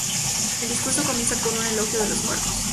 El discurso comienza con un elogio de los muertos.